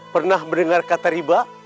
pernah mendengar kata riba